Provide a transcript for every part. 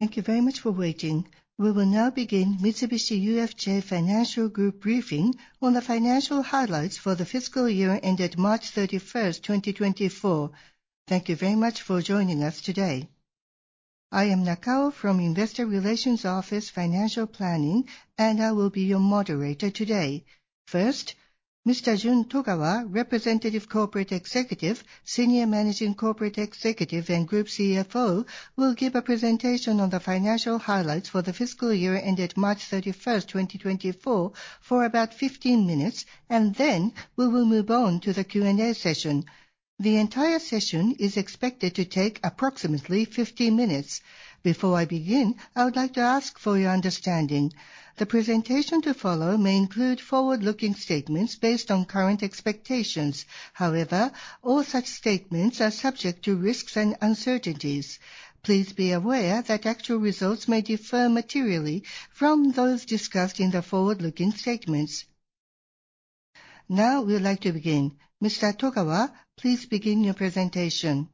Thank you very much for waiting. We will now begin Mitsubishi UFJ Financial Group briefing on the financial highlights for the fiscal year ended March 31st, 2024. Thank you very much for joining us today. I am Nakao from Investor Relations Office Financial Planning, and I will be your moderator today. First, Mr. Jun Togawa, Representative Corporate Executive, Senior Managing Corporate Executive, and Group CFO, will give a presentation on the financial highlights for the fiscal year ended March 31st, 2024, for about 15 minutes, and then we will move on to the Q&A session. The entire session is expected to take approximately 50 minutes. Before I begin, I would like to ask for your understanding. The presentation to follow may include forward-looking statements based on current expectations. However, all such statements are subject to risks and uncertainties. Please be aware that actual results may differ materially from those discussed in the forward-looking statements. Now, we would like to begin. Mr. Togawa, please begin your presentation.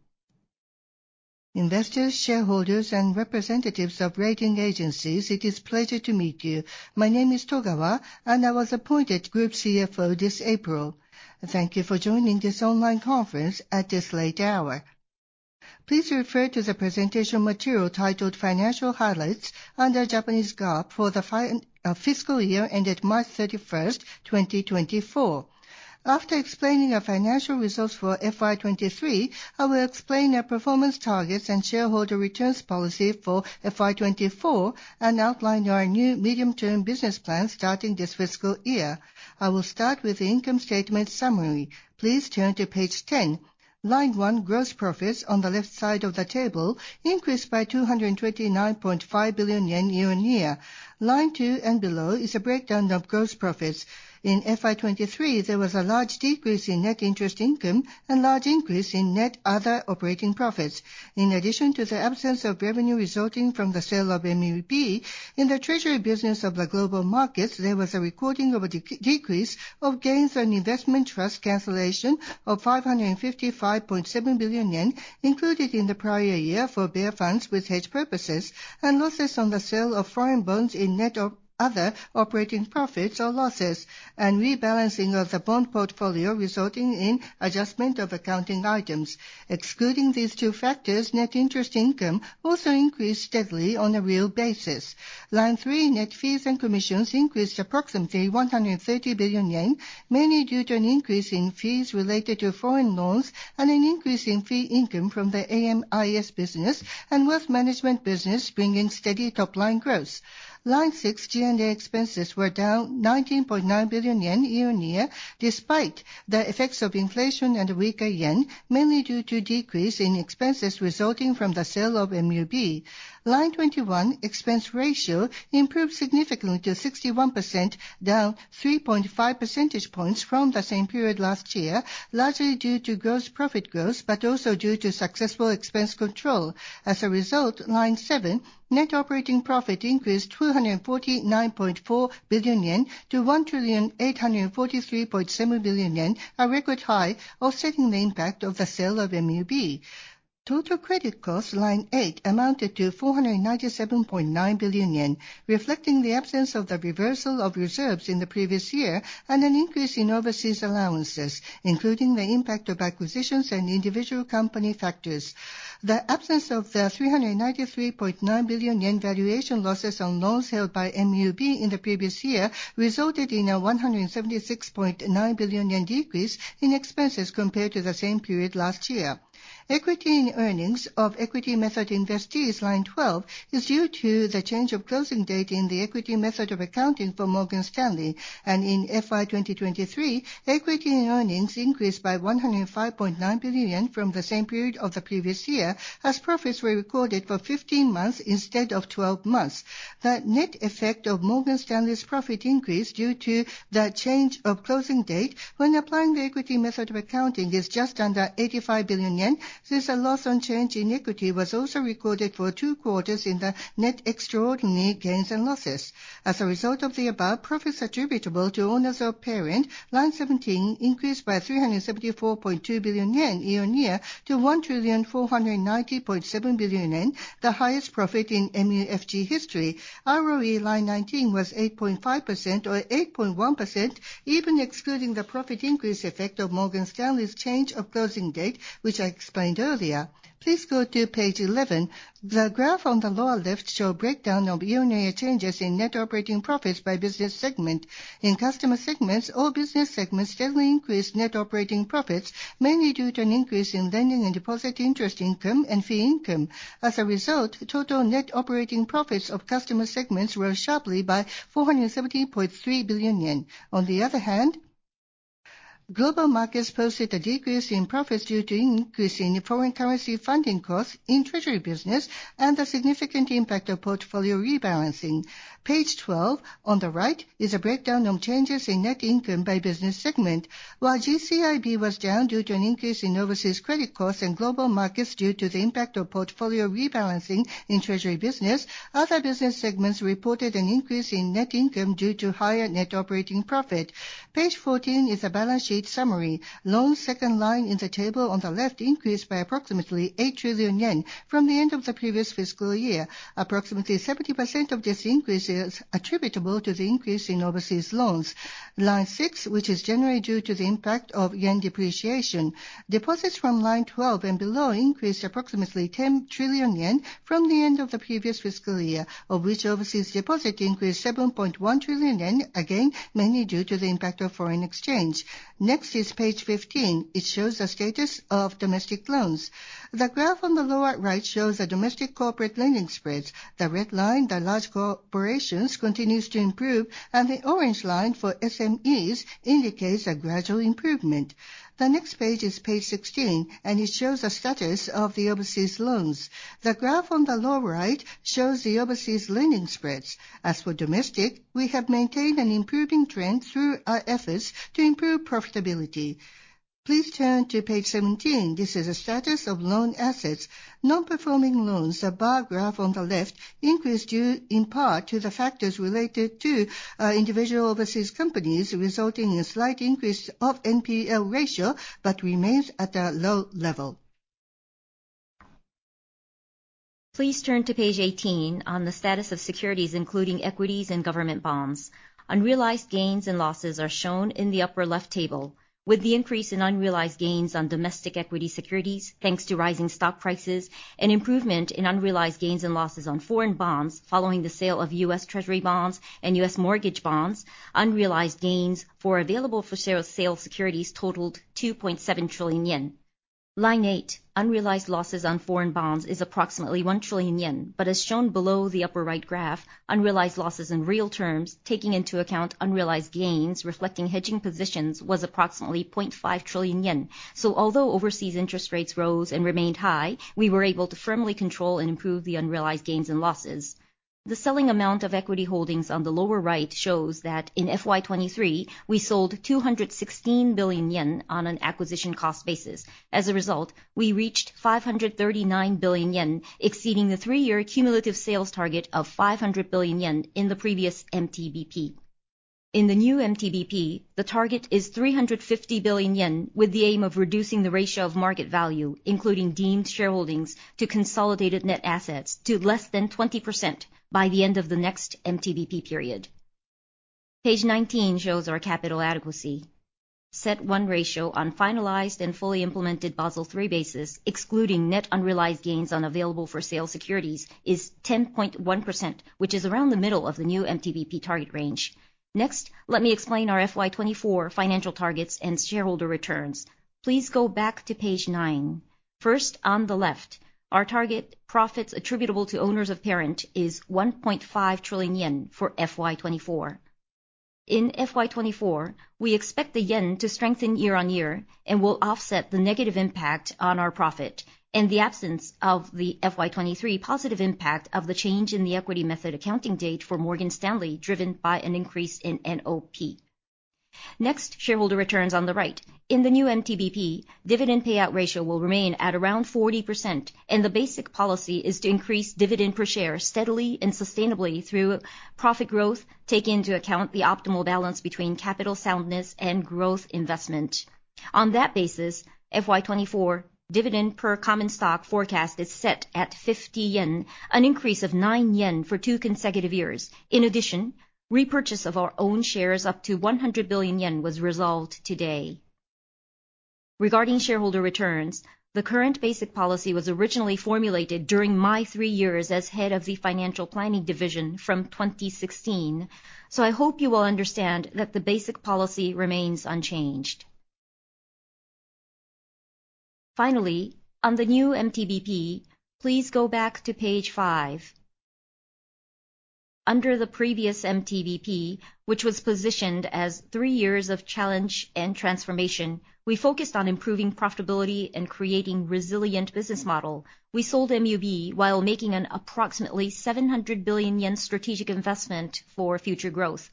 Investors, shareholders, and representatives of rating agencies, it is a pleasure to meet you. My name is Togawa, and I was appointed Group CFO this April. Thank you for joining this online conference at this late hour. Please refer to the presentation material titled Financial Highlights under Japanese GAAP for the fiscal year ended March 31st, 2024. After explaining our financial results for FY 2023, I will explain our performance targets and shareholder returns policy for FY24 and outline our new medium-term business plan starting this fiscal year. I will start with the income statement summary. Please turn to page 10. Line one, gross profits on the left side of the table increased by 229.5 billion yen year-on-year. Line two and below is a breakdown of gross profits. In FY 2023, there was a large decrease in net interest income and large increase in net other operating profits. In addition to the absence of revenue resulting from the sale of MUB, in the treasury business of the global markets, there was a recording of a decrease of gains on investment trust cancellation of 555.7 billion yen, included in the prior year for bear funds with hedge purposes, and losses on the sale of foreign bonds in net of other operating profits or losses, and rebalancing of the bond portfolio, resulting in adjustment of accounting items. Excluding these two factors, net interest income also increased steadily on a real basis. Line 3, net fees and commissions increased approximately 130 billion yen, mainly due to an increase in fees related to foreign loans and an increase in fee income from the AM/IS business and wealth management business, bringing steady top-line growth. Line 6, G&A expenses were down 19.9 billion yen year-on-year, despite the effects of inflation and weaker yen, mainly due to decrease in expenses resulting from the sale of MUB. Line 21, expense ratio, improved significantly to 61%, down 3.5 percentage points from the same period last year, largely due to gross profit growth, but also due to successful expense control. As a result, line 7, net operating profit increased 249.4 billion yen to 1,843.7 billion yen, a record high, offsetting the impact of the sale of MUB. Total credit costs, line 8, amounted to 497.9 billion yen, reflecting the absence of the reversal of reserves in the previous year and an increase in overseas allowances, including the impact of acquisitions and individual company factors. The absence of the 393.9 billion yen valuation losses on loans held by MUB in the previous year resulted in a 176.9 billion yen decrease in expenses compared to the same period last year. Equity in earnings of equity method investees, line 12, is due to the change of closing date in the equity method of accounting for Morgan Stanley, and in FY2023, equity in earnings increased by 105.9 billion from the same period of the previous year, as profits were recorded for 15 months instead of 12 months. The net effect of Morgan Stanley's profit increase due to the change of closing date when applying the equity method of accounting is just under 85 billion yen, since a loss on change in equity was also recorded for two quarters in the net extraordinary gains and losses. As a result of the above, profits attributable to owners of parent, line 17, increased by 374.2 billion yen year-on-year to 1,490.7 billion yen, the highest profit in MUFG history. ROE, line 19, was 8.5%, or 8.1%, even excluding the profit increase effect of Morgan Stanley's change of closing date, which I explained earlier. Please go to page 11. The graph on the lower left show breakdown of year-on-year changes in net operating profits by business segment. In customer segments, all business segments steadily increased net operating profits, mainly due to an increase in lending and deposit interest income and fee income. As a result, total net operating profits of customer segments rose sharply by 470.3 billion yen. On the other hand, Global Markets posted a decrease in profits due to increase in foreign currency funding costs in treasury business, and the significant impact of portfolio rebalancing. Page 12, on the right, is a breakdown of changes in net income by business segment. While GCIB was down due to an increase in overseas credit costs and Global Markets due to the impact of portfolio rebalancing in treasury business, other business segments reported an increase in net income due to higher net operating profit. Page 14 is a balance sheet summary. Loans, second line in the table on the left, increased by approximately 8 trillion yen from the end of the previous fiscal year. Approximately 70% of this increase is attributable to the increase in overseas loans. Line six, which is generally due to the impact of yen depreciation. Deposits from line twelve and below increased approximately 10 trillion yen from the end of the previous fiscal year, of which overseas deposit increased 7.1 trillion yen, again, mainly due to the impact of foreign exchange. Next is page 15. It shows the status of domestic loans. The graph on the lower right shows the domestic corporate lending spreads. The red line, the large corporations, continues to improve, and the orange line for SMEs indicates a gradual improvement. The next page is page 16, and it shows the status of the overseas loans. The graph on the lower right shows the overseas lending spreads. As for domestic, we have maintained an improving trend through our efforts to improve profitability. Please turn to page 17. This is a status of loan assets. Non-performing loans, the bar graph on the left, increased due in part to the factors related to individual overseas companies, resulting in a slight increase of NPL ratio, but remains at a low level. Please turn to page 18 on the status of securities, including equities and government bonds. Unrealized gains and losses are shown in the upper left table. With the increase in unrealized gains on domestic equity securities, thanks to rising stock prices, and improvement in unrealized gains and losses on foreign bonds following the sale of U.S. Treasury bonds and U.S. mortgage bonds, unrealized gains for available-for-sale securities totaled 2.7 trillion yen. Line 8, unrealized losses on foreign bonds, is approximately 1 trillion yen. But as shown below the upper right graph, unrealized losses in real terms, taking into account unrealized gains, reflecting hedging positions, was approximately 0.5 trillion yen. So although overseas interest rates rose and remained high, we were able to firmly control and improve the unrealized gains and losses. The selling amount of equity holdings on the lower right shows that in FY 2023, we sold 216 billion yen on an acquisition cost basis. As a result, we reached 539 billion yen, exceeding the three-year cumulative sales target of 500 billion yen in the previous MTBP. In the new MTBP, the target is 350 billion yen, with the aim of reducing the ratio of market value, including deemed shareholdings to consolidated net assets, to less than 20% by the end of the next MTBP period. Page 19 shows our capital adequacy. CET1 ratio on finalized and fully implemented Basel III basis, excluding net unrealized gains on available-for-sale securities, is 10.1%, which is around the middle of the new MTBP target range. Next, let me explain our FY 2024 financial targets and shareholder returns. Please go back to page nine. First, on the left, our target profits attributable to owners of parent is 1.5 trillion yen for FY 2024. In FY 2024, we expect the yen to strengthen year-on-year and will offset the negative impact on our profit in the absence of the FY 2023 positive impact of the change in the equity method accounting date for Morgan Stanley, driven by an increase in NOP. Next, shareholder returns on the right. In the new MTBP, dividend payout ratio will remain at around 40%, and the basic policy is to increase dividend per share steadily and sustainably through profit growth, taking into account the optimal balance between capital soundness and growth investment. On that basis, FY 2024 dividend per common stock forecast is set at 50 yen, an increase of 9 yen for 2 consecutive years. In addition, repurchase of our own shares up to 100 billion yen was resolved today. Regarding shareholder returns, the current basic policy was originally formulated during my three years as head of the Financial Planning Division from 2016, so I hope you will understand that the basic policy remains unchanged. Finally, on the new MTBP, please go back to page five. Under the previous MTBP, which was positioned as three years of challenge and transformation, we focused on improving profitability and creating resilient business model. We sold MUB while making an approximately 700 billion yen strategic investment for future growth.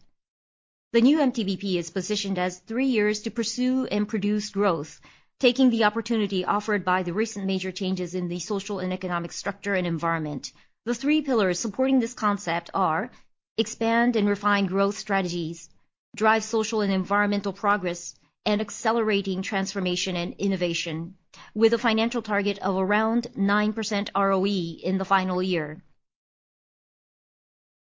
The new MTBP is positioned as three years to pursue and produce growth, taking the opportunity offered by the recent major changes in the social and economic structure and environment. The three pillars supporting this concept are: expand and refine growth strategies, drive social and environmental progress, and accelerating transformation and innovation, with a financial target of around 9% ROE in the final year.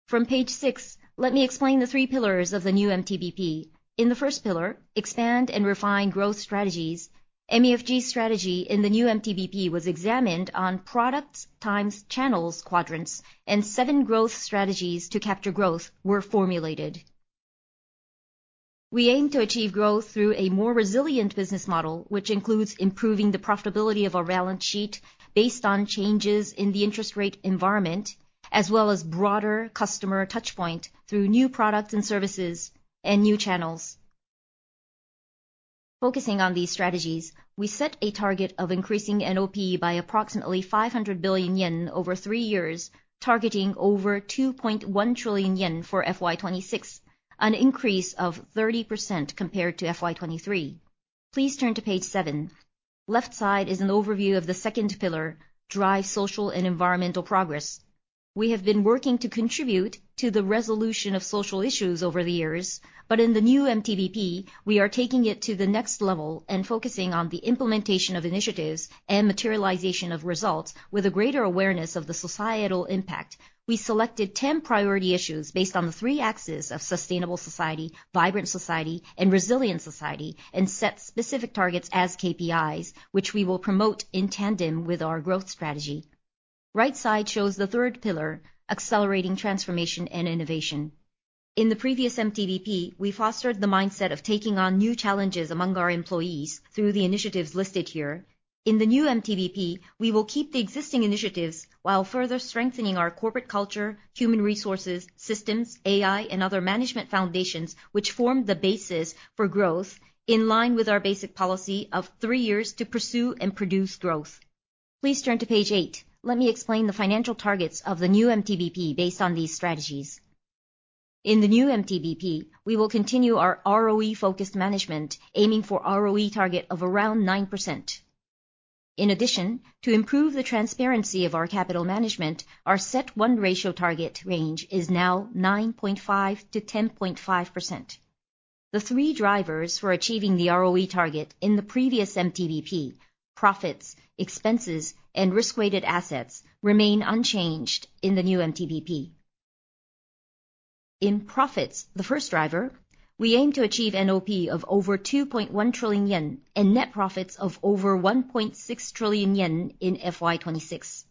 From page six, let me explain the three pillars of the new MTBP. In the first pillar, expand and refine growth strategies, MUFG strategy in the new MTBP was examined on products times channels quadrants, and 7 growth strategies to capture growth were formulated. We aim to achieve growth through a more resilient business model, which includes improving the profitability of our balance sheet based on changes in the interest rate environment as well as broader customer touchpoint through new products and services and new channels. Focusing on these strategies, we set a target of increasing NOP by approximately 500 billion yen over three years, targeting over 2.1 trillion yen for FY2026, an increase of 30% compared to FY 2023. Please turn to page seven. Left side is an overview of the second pillar, drive social and environmental progress. We have been working to contribute to the resolution of social issues over the years, but in the new MTBP, we are taking it to the next level and focusing on the implementation of initiatives and materialization of results with a greater awareness of the societal impact. We selected 10 priority issues based on the three axes of sustainable society, vibrant society, and resilient society, and set specific targets as KPIs, which we will promote in tandem with our growth strategy. Right side shows the third pillar, accelerating transformation and innovation. In the previous MTBP, we fostered the mindset of taking on new challenges among our employees through the initiatives listed here. In the new MTBP, we will keep the existing initiatives while further strengthening our corporate culture, human resources, systems, AI, and other management foundations, which form the basis for growth in line with our basic policy of three years to pursue and produce growth. Please turn to page eight. Let me explain the financial targets of the new MTBP based on these strategies. In the new MTBP, we will continue our ROE-focused management, aiming for ROE target of around 9%. In addition, to improve the transparency of our capital management, our CET1 ratio target range is now 9.5%-10.5%. The three drivers for achieving the ROE target in the previous MTBP, profits, expenses, and risk-weighted assets, remain unchanged in the new MTBP. In profits, the first driver, we aim to achieve NOP of over 2.1 trillion yen and net profits of over 1.6 trillion yen in FY 2026.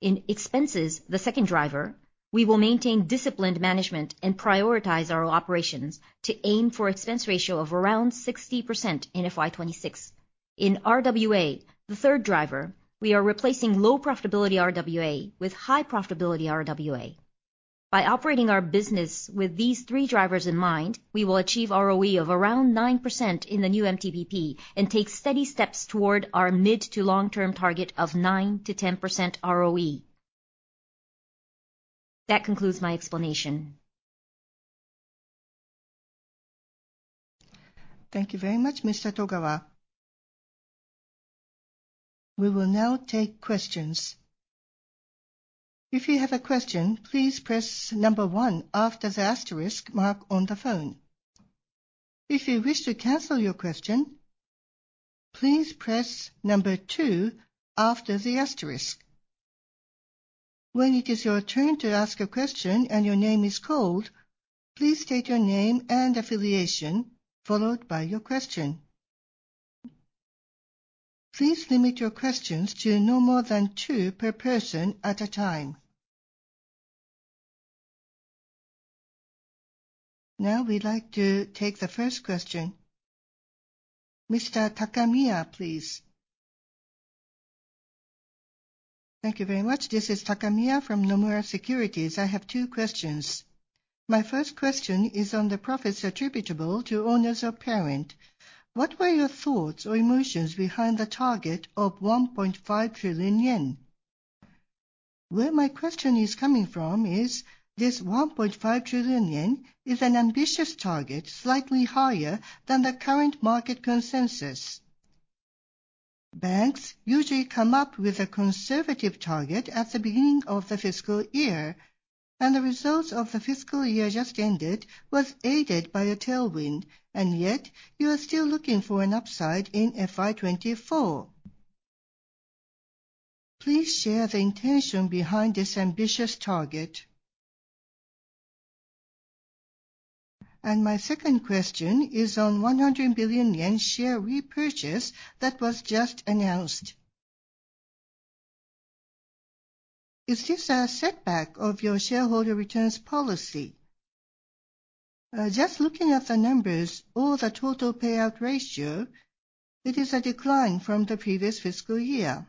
In expenses, the second driver, we will maintain disciplined management and prioritize our operations to aim for expense ratio of around 60% in FY 2026. In RWA, the third driver, we are replacing low profitability RWA with high profitability RWA. By operating our business with these three drivers in mind, we will achieve ROE of around 9% in the new MTBP and take steady steps toward our mid to long-term target of 9%-10% ROE. That concludes my explanation. Thank you very much, Mr. Togawa. We will now take questions. If you have a question, please press number one after the asterisk mark on the phone. If you wish to cancel your question, please press number two after the asterisk. When it is your turn to ask a question and your name is called, please state your name and affiliation, followed by your question. Please limit your questions to no more than two per person at a time. Now we'd like to take the first question. Mr. Takamiya, please. Thank you very much. This is Takamiya from Nomura Securities. I have two questions. My first question is on the profits attributable to owners of parent. What were your thoughts or emotions behind the target of 1.5 trillion yen? Where my question is coming from is, 1.5 trillion yen is an ambitious target, slightly higher than the current market consensus. Banks usually come up with a conservative target at the beginning of the fiscal year, and the results of the fiscal year just ended was aided by a tailwind, and yet you are still looking for an upside in FY 2024. Please share the intention behind this ambitious target. And my second question is on 100 billion yen share repurchase that was just announced. Is this a setback of your shareholder returns policy? Just looking at the numbers or the total payout ratio, it is a decline from the previous fiscal year.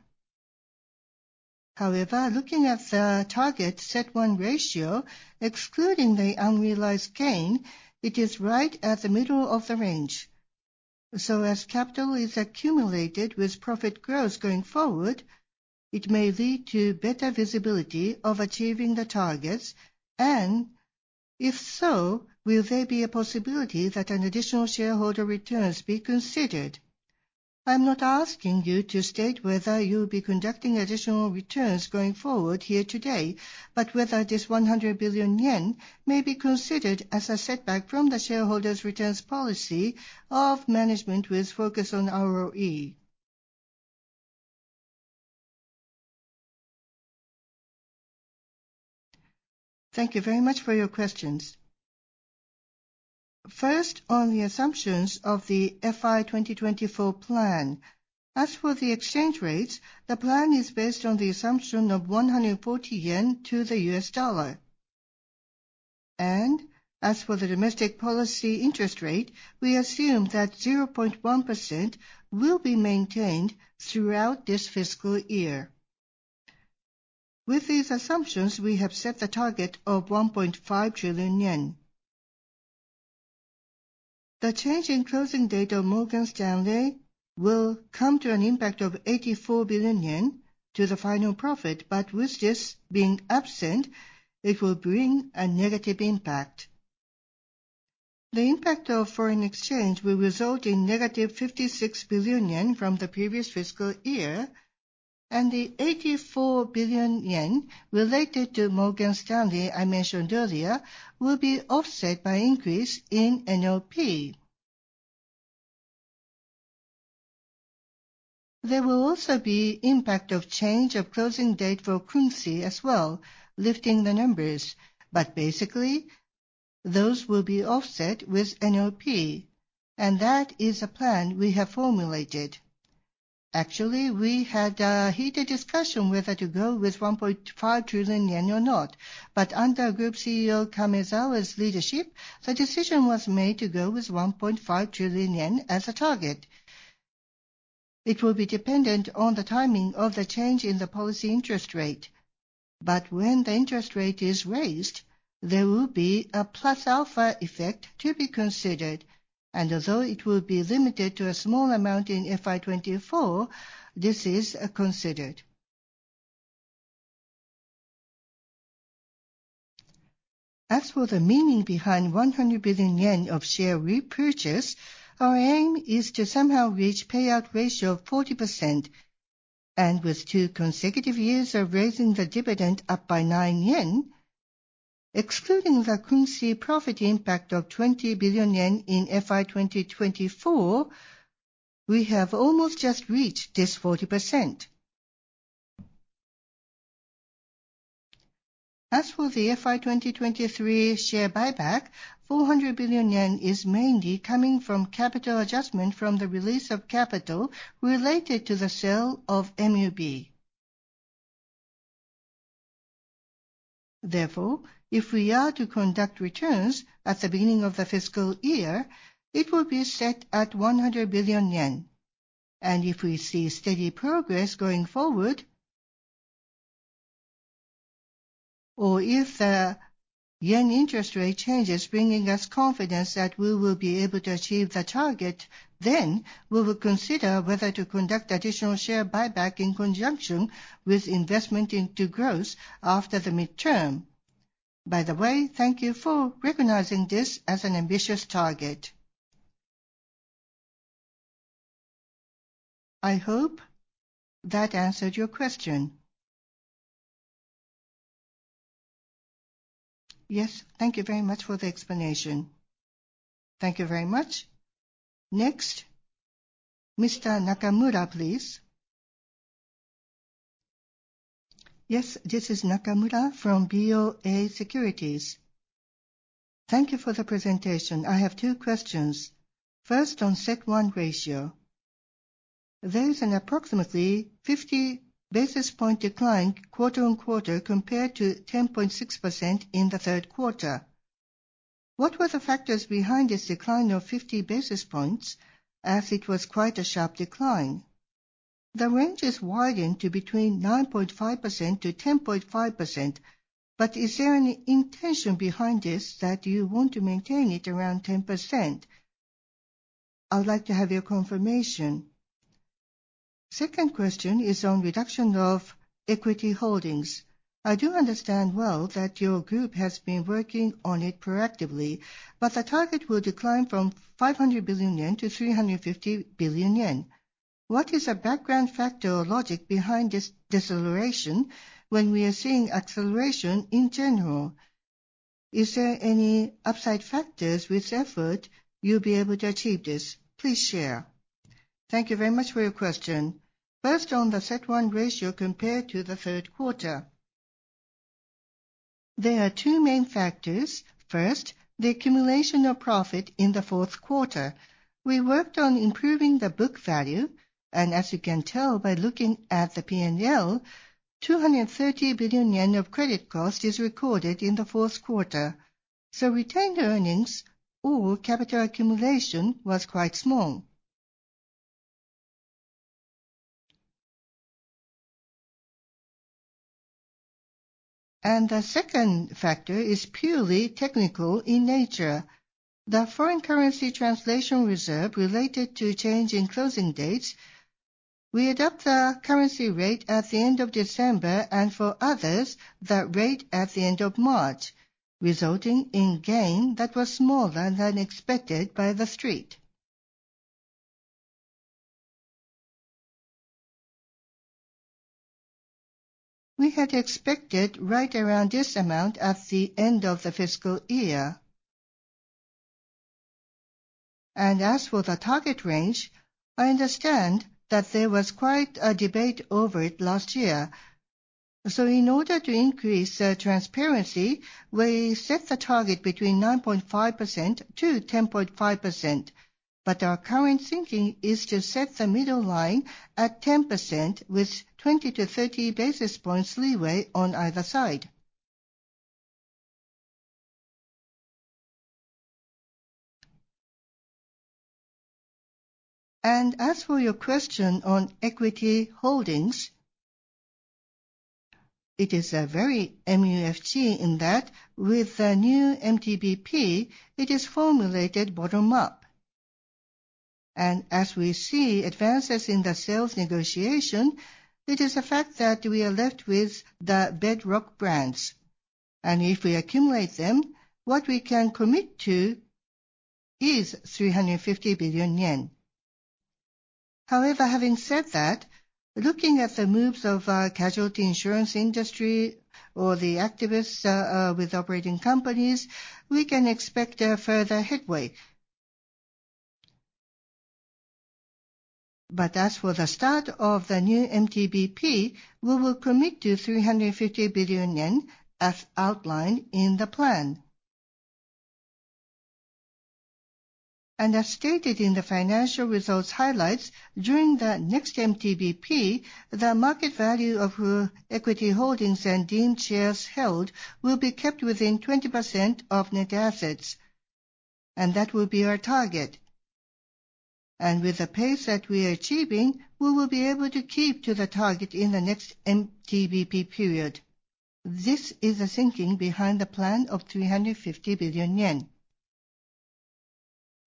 However, looking at the target set CET1 ratio, excluding the unrealized gain, it is right at the middle of the range. So as capital is accumulated with profit growth going forward, it may lead to better visibility of achieving the targets, and if so, will there be a possibility that an additional shareholder returns be considered? I'm not asking you to state whether you'll be conducting additional returns going forward here today, but whether this 100 billion yen may be considered as a setback from the shareholders' returns policy of management with focus on ROE. Thank you very much for your questions. First, on the assumptions of the FY 2024 plan. As for the exchange rates, the plan is based on the assumption of 140 yen to the US dollar. As for the domestic policy interest rate, we assume that 0.1% will be maintained throughout this fiscal year. With these assumptions, we have set the target of 1.5 trillion yen. The change in closing date of Morgan Stanley will come to an impact of 84 billion yen to the final profit, but with this being absent, it will bring a negative impact. The impact of foreign exchange will result in negative 56 billion yen from the previous fiscal year, and the 84 billion yen related to Morgan Stanley, I mentioned earlier, will be offset by increase in NOP. There will also be impact of change of closing date for Krungsri as well, lifting the numbers, but basically, those will be offset with NOP, and that is a plan we have formulated. Actually, we had a heated discussion whether to go with 1.5 trillion yen or not, but under Group CEO Kamezawa's leadership, the decision was made to go with 1.5 trillion yen as a target. It will be dependent on the timing of the change in the policy interest rate, but when the interest rate is raised, there will be a plus alpha effect to be considered, and although it will be limited to a small amount in FY 2024, this is considered. As for the meaning behind 100 billion yen of share repurchase, our aim is to somehow reach payout ratio of 40%, and with two consecutive years of raising the dividend up by 9 yen, excluding the Krungsri profit impact of 20 billion yen in FY 2024, we have almost just reached this 40%. As for the FY 2023 share buyback, 400 billion yen is mainly coming from capital adjustment from the release of capital related to the sale of MUB. Therefore, if we are to conduct returns at the beginning of the fiscal year, it will be set at 100 billion yen. And if we see steady progress going forward, or if the yen interest rate changes, bringing us confidence that we will be able to achieve the target, then we will consider whether to conduct additional share buyback in conjunction with investment into growth after the midterm. By the way, thank you for recognizing this as an ambitious target. I hope that answered your question. Yes, thank you very much for the explanation. Thank you very much. Next, Mr. Nakamura, please. Yes, this is Nakamura from Bank of America Securities. Thank you for the presentation. I have two questions. First, on CET1 ratio. There is an approximately 50 basis point decline quarter on quarter, compared to 10.6% in the third quarter. What were the factors behind this decline of 50 basis points, as it was quite a sharp decline? The range is widened to between 9.5% to 10.5%, but is there any intention behind this that you want to maintain it around 10%? I would like to have your confirmation. Second question is on reduction of equity holdings. I do understand well that your group has been working on it proactively, but the target will decline from 500 billion yen to 350 billion yen. What is the background factor or logic behind this deceleration when we are seeing acceleration in general? Is there any upside factors with effort you'll be able to achieve this? Please share. Thank you very much for your question. First, on the CET1 ratio compared to the third quarter, there are two main factors. First, the accumulation of profit in the fourth quarter. We worked on improving the book value, and as you can tell by looking at the P&L, 230 billion yen of credit cost is recorded in the fourth quarter. So retained earnings or capital accumulation was quite small. And the second factor is purely technical in nature. The foreign currency translation reserve related to change in closing dates, we adopt the currency rate at the end of December, and for others, the rate at the end of March, resulting in gain that was smaller than expected by the street. We had expected right around this amount at the end of the fiscal year. As for the target range, I understand that there was quite a debate over it last year. So in order to increase transparency, we set the target between 9.5%-10.5%. But our current thinking is to set the middle line at 10%, with 20-30 basis points leeway on either side. As for your question on equity holdings, it is a very MUFG in that with the new MTBP, it is formulated bottom-up. As we see advances in the sales negotiation, it is a fact that we are left with the bedrock brands. And if we accumulate them, what we can commit to is 350 billion yen. However, having said that, looking at the moves of our casualty insurance industry or the activists with operating companies, we can expect a further headway. But as for the start of the new MTBP, we will commit to 350 billion yen as outlined in the plan. And as stated in the financial results highlights, during the next MTBP, the market value of our equity holdings and deemed shares held will be kept within 20% of net assets, and that will be our target. And with the pace that we are achieving, we will be able to keep to the target in the next MTBP period. This is the thinking behind the plan of 350 billion yen.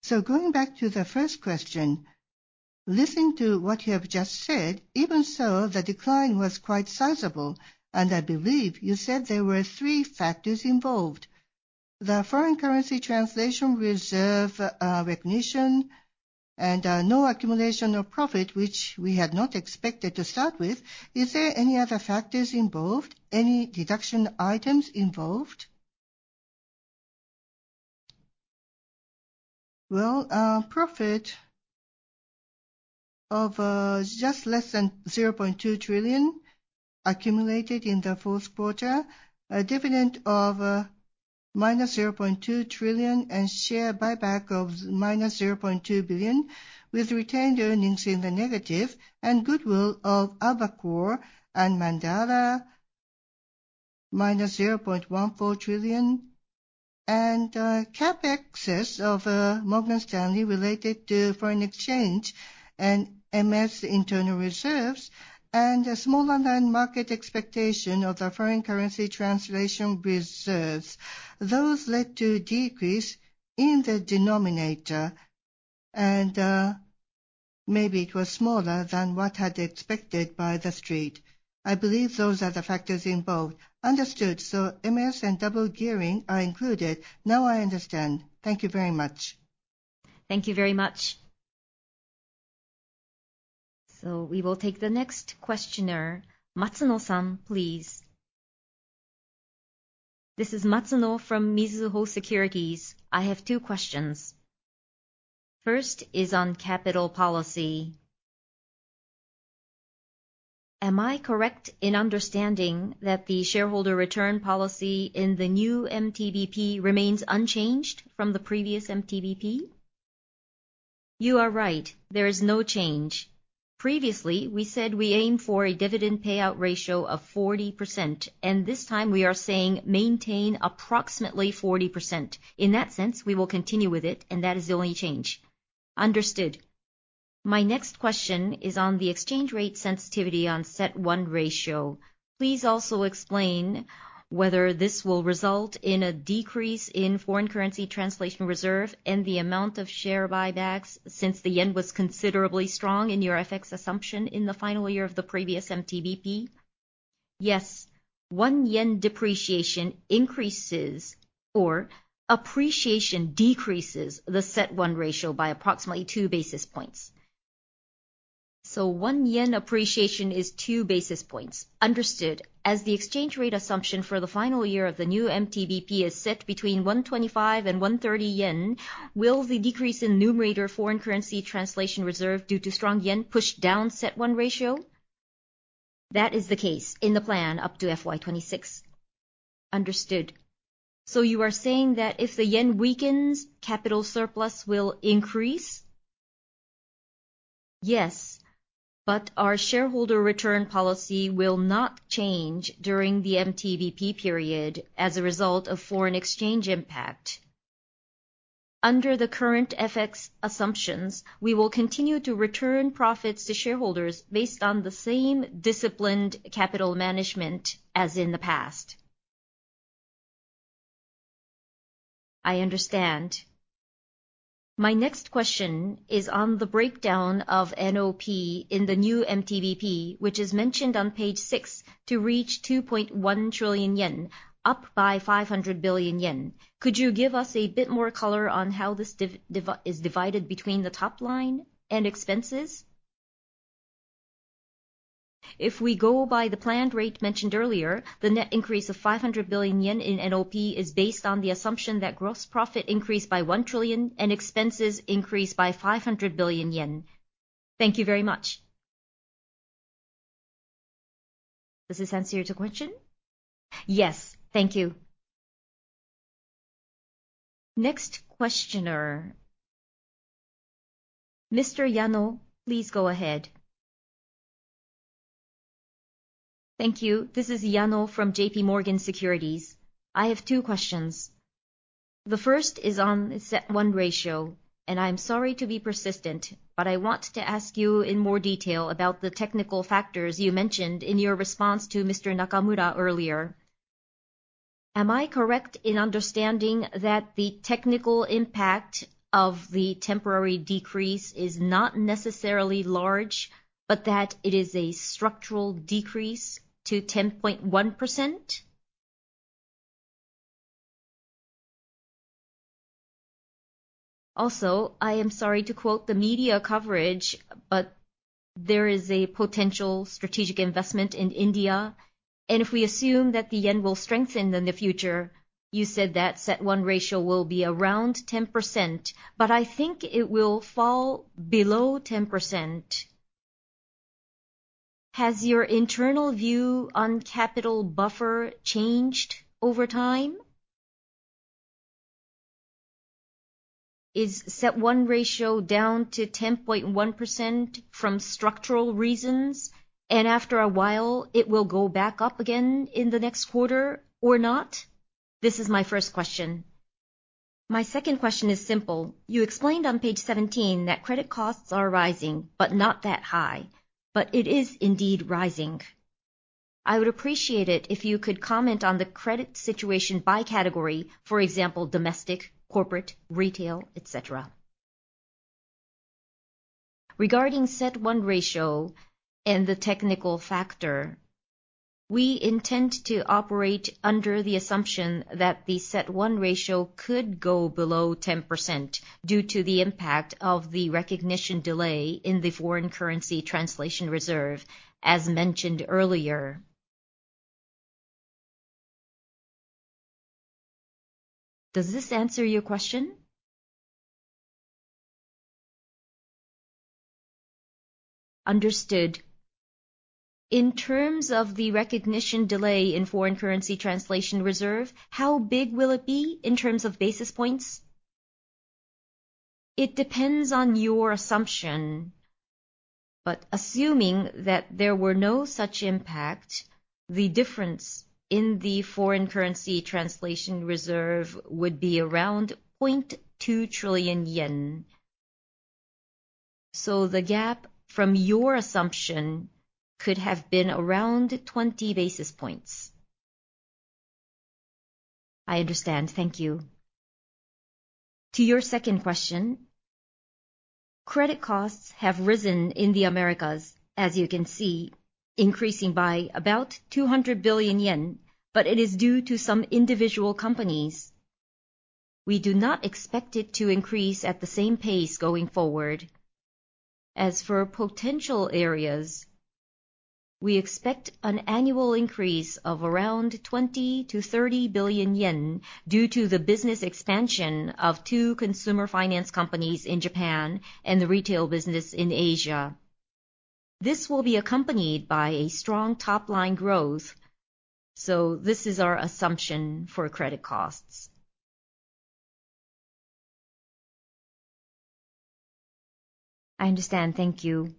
So going back to the first question, listening to what you have just said, even so, the decline was quite sizable, and I believe you said there were three factors involved. The foreign currency translation reserve, recognition, and no accumulation of profit, which we had not expected to start with. Is there any other factors involved, any deduction items involved? Well, profit of just less than 0.2 trillion accumulated in the fourth quarter, a dividend of minus 0.2 trillion, and share buyback of minus 0.2 billion, with retained earnings in the negative, and goodwill of Akulaku and Mandala, minus JPY 0.14 trillion. CapEx of Morgan Stanley related to foreign exchange and MS internal reserves, and smaller than market expectation of the foreign currency translation reserves. Those led to decrease in the denominator, and maybe it was smaller than what had expected by The Street. I believe those are the factors involved. Understood. So MS and double gearing are included. Now I understand. Thank you very much. Thank you very much. So we will take the next questioner. Matsuno-san, please. This is Matsuno from Mizuho Securities. I have two questions. First is on capital policy. Am I correct in understanding that the shareholder return policy in the new MTBP remains unchanged from the previous MTBP? You are right, there is no change. Previously, we said we aim for a dividend payout ratio of 40%, and this time we are saying maintain approximately 40%. In that sense, we will continue with it, and that is the only change. Understood. My next question is on the exchange rate sensitivity on CET1 ratio. Please also explain whether this will result in a decrease in foreign currency translation reserve and the amount of share buybacks since the yen was considerably strong in your FX assumption in the final year of the previous MTBP. Yes. One yen depreciation increases or appreciation decreases the CET1 ratio by approximately two basis points. So one yen appreciation is two basis points. Understood. As the exchange rate assumption for the final year of the new MTBP is set between 125 and 130 yen, will the decrease in numerator foreign currency translation reserve due to strong yen push down CET1 ratio? That is the case in the plan up to FY 2026. Understood. So you are saying that if the yen weakens, capital surplus will increase? Yes, but our shareholder return policy will not change during the MTBP period as a result of foreign exchange impact. Under the current FX assumptions, we will continue to return profits to shareholders based on the same disciplined capital management as in the past. I understand. My next question is on the breakdown of NOP in the new MTBP, which is mentioned on page six, to reach 2.1 trillion yen, up by 500 billion yen. Could you give us a bit more color on how this is divided between the top line and expenses? If we go by the planned rate mentioned earlier, the net increase of 500 billion yen in NOP is based on the assumption that gross profit increased by 1 trillion and expenses increased by 500 billion yen. Thank you very much. Does this answer your question? Yes. Thank you. Next questioner, Mr. Yano, please go ahead. Thank you. This is Yano from J.P. Morgan Securities. I have two questions. The first is on the CET1 ratio, and I'm sorry to be persistent, but I want to ask you in more detail about the technical factors you mentioned in your response to Mr. Nakamura earlier. Am I correct in understanding that the technical impact of the temporary decrease is not necessarily large, but that it is a structural decrease to 10.1%? Also, I am sorry to quote the media coverage, but there is a potential strategic investment in India, and if we assume that the yen will strengthen in the future, you said that CET1 ratio will be around 10%, but I think it will fall below 10%. Has your internal view on capital buffer changed over time? Is CET1 ratio down to 10.1% from structural reasons, and after a while, it will go back up again in the next quarter or not? This is my first question. My second question is simple. You explained on page 17 that credit costs are rising, but not that high, but it is indeed rising. I would appreciate it if you could comment on the credit situation by category, for example, domestic, corporate, retail, et cetera. Regarding CET1 ratio and the technical factor, we intend to operate under the assumption that the CET1 ratio could go below 10% due to the impact of the recognition delay in the foreign currency translation reserve, as mentioned earlier. Does this answer your question? Understood. In terms of the recognition delay in foreign currency translation reserve, how big will it be in terms of basis points? It depends on your assumption, but assuming that there were no such impact, the difference in the foreign currency translation reserve would be around 0.2 trillion yen. So the gap from your assumption could have been around 20 basis points. I understand. Thank you. To your second question, credit costs have risen in the Americas, as you can see, increasing by about 200 billion yen, but it is due to some individual companies. We do not expect it to increase at the same pace going forward. As for potential areas, we expect an annual increase of around 20 billion-30 billion yen due to the business expansion of two consumer finance companies in Japan and the retail business in Asia. This will be accompanied by a strong top-line growth, so this is our assumption for credit costs. I understand. Thank you.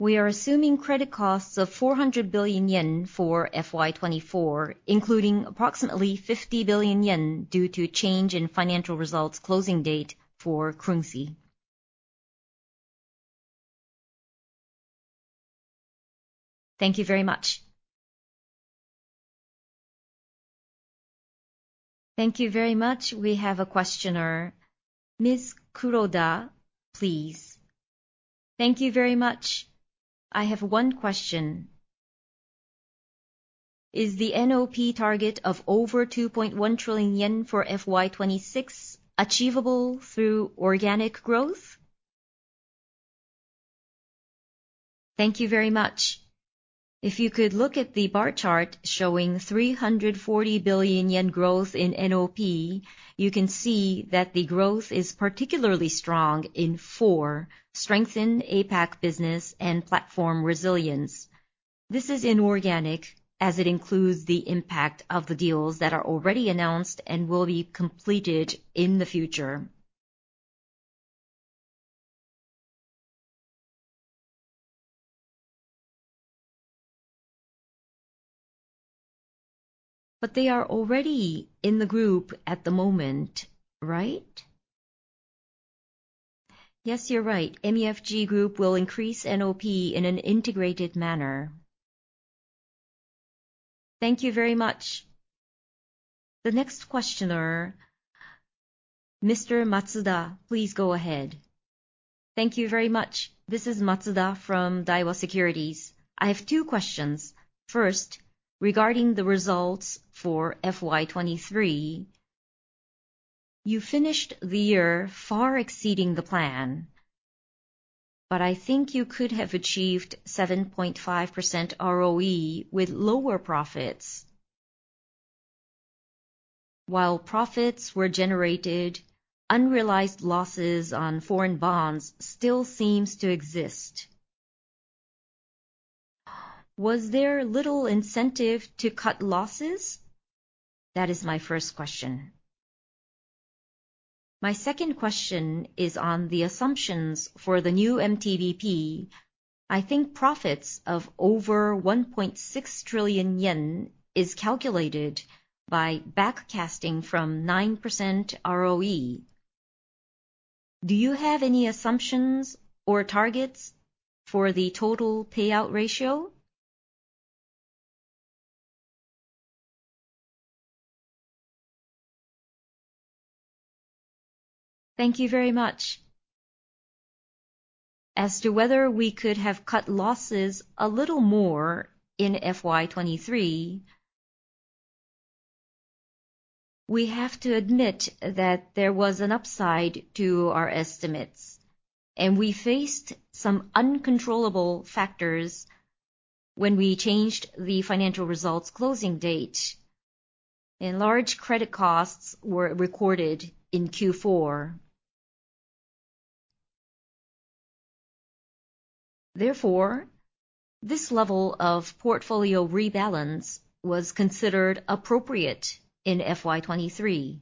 We are assuming credit costs of 400 billion yen for FY 2024, including approximately 50 billion yen due to change in financial results closing date for currency. Thank you very much. Thank you very much. We have a questioner. Ms. Kuroda, please. Thank you very much. I have one question. Is the NOP target of over 2.1 trillion yen for FY 2026 achievable through organic growth? Thank you very much. If you could look at the bar chart showing 340 billion yen growth in NOP, you can see that the growth is particularly strong in four, strengthened APAC business and platform resilience. This is inorganic, as it includes the impact of the deals that are already announced and will be completed in the future. But they are already in the group at the moment, right? Yes, you're right. MUFG Group will increase NOP in an integrated manner. Thank you very much. The next questioner, Mr. Matsuda, please go ahead. Thank you very much. This is Matsuda from Daiwa Securities. I have two questions. First, regarding the results for FY 2023, you finished the year far exceeding the plan, but I think you could have achieved 7.5% ROE with lower profits while profits were generated, unrealized losses on foreign bonds still seems to exist. Was there little incentive to cut losses? That is my first question. My second question is on the assumptions for the new MTBP. I think profits of over 1.6 trillion yen is calculated by backcasting from 9% ROE. Do you have any assumptions or targets for the total payout ratio? Thank you very much. As to whether we could have cut losses a little more in FY 2023, we have to admit that there was an upside to our estimates, and we faced some uncontrollable factors when we changed the financial results closing date, and large credit costs were recorded in Q4. Therefore, this level of portfolio rebalance was considered appropriate in FY 2023.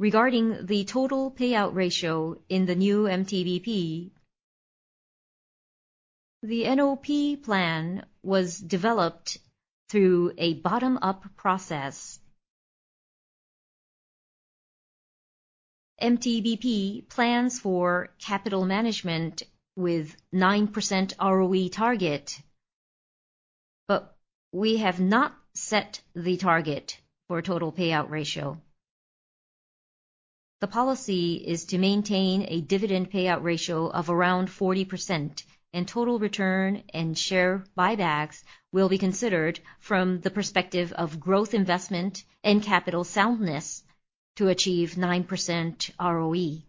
Regarding the total payout ratio in the new MTBP, the NOP plan was developed through a bottom-up process. MTBP plans for capital management with 9% ROE target, but we have not set the target for total payout ratio. The policy is to maintain a dividend payout ratio of around 40%, and total return and share buybacks will be considered from the perspective of growth, investment, and capital soundness to achieve 9% ROE.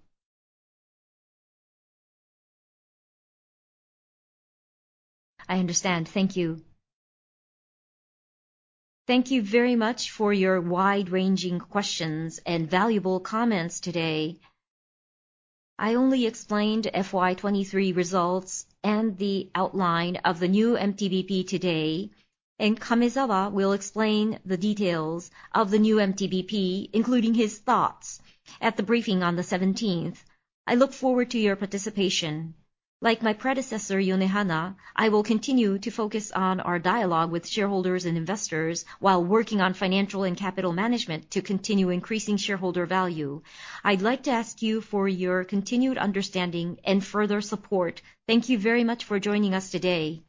I understand. Thank you. Thank you very much for your wide-ranging questions and valuable comments today. I only explained FY 2023 results and the outline of the new MTBP today, and Kamezawa will explain the details of the new MTBP, including his thoughts, at the briefing on the seventeenth. I look forward to your participation. Like my predecessor, Yonehana, I will continue to focus on our dialogue with shareholders and investors while working on financial and capital management to continue increasing shareholder value. I'd like to ask you for your continued understanding and further support. Thank you very much for joining us today.